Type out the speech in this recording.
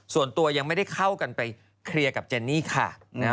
ส่วนตัวยังไม่ได้เข้ากันไปเคลียร์กับเจนนี่ค่ะนะฮะ